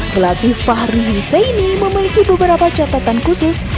pelatih fahri huseini memiliki beberapa catatan khusus